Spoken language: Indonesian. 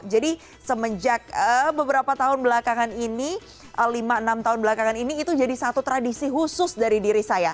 jadi semenjak beberapa tahun belakangan ini lima enam tahun belakangan ini itu jadi satu tradisi khusus dari diri saya